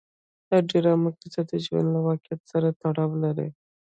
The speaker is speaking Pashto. د ډرامو کیسې د ژوند له واقعیت سره تړاو لري.